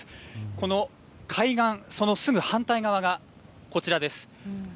この海岸、そのすぐ反対側がこちらです。